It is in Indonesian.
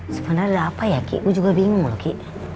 sebenernya ada apa ya ki gue juga bingung loh ki